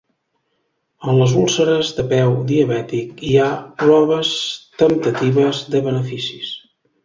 En les úlceres de peu diabètic hi ha proves temptatives de beneficis.